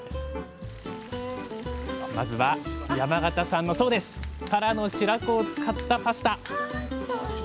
まずは山形産のタラの白子を使ったパスタ。